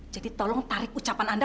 jadi tolong tarik ucapan anda